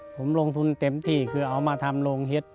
ผมลงทุนเต็มที่คือเอามาทำโรงเห็ด